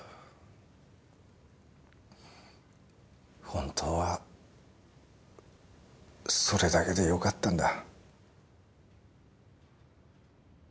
本当はそれだけでよかったんだ。